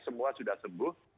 semua sudah sembuh